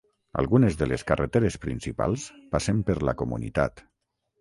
Algunes de les carreteres principals passen per la comunitat.